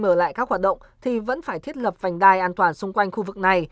mở lại các hoạt động thì vẫn phải thiết lập vành đai an toàn xung quanh khu vực này